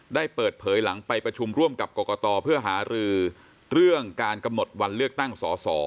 ได้เปิดเผยหลังไปประชุมร่วมกับกรกตเพื่อหารือเรื่องการกำหนดวันเลือกตั้งสอสอ